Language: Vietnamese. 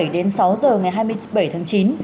đến sáu giờ ngày hai mươi bảy tháng chín